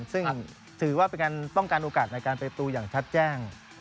ซึ่งถือว่าเป็นการต้องการโอกาสในการไปตูอย่างชัดแจ้ง